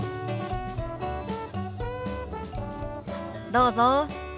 どうぞ。